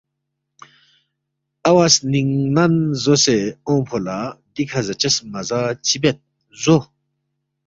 اوا سنِنگنن زوسے اونگفو لہ دِکھہ زاچس مہ زا چِہ بید، زو